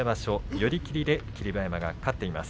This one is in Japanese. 寄り切りで霧馬山が勝っています。